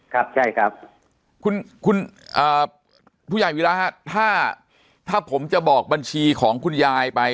ครับใช่ครับคุณผู้ใหญ่วีระฮะถ้าผมจะบอกบัญชีของคุณยายไป